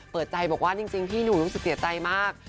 เปิดใจบอกว่าจริงพี่หนุ่มรู้สึกเสียใจมาก